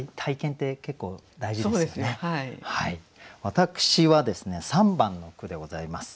私はですね３番の句でございます。